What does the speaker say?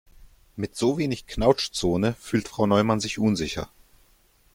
Mit so wenig Knautschzone fühlt Frau Neumann sich unsicher.